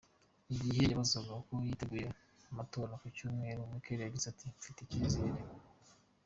Igihe yabazwaga uko yiteguye amatora yo ku Cyumweru, Merkel yagize ati: “Mfite icyizere”.